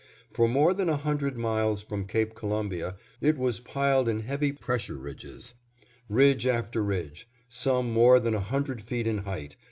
For more than a hundred miles from Cape Columbia it was piled in heavy pressure ridges, ridge after ridge, some more than a hundred feet in height.